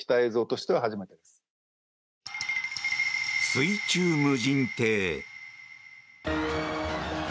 水中無人艇。